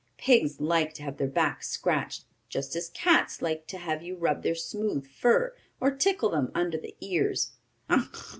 Pigs like to have their backs scratched, just as cats like to have you rub their smooth fur, or tickle them under the ears.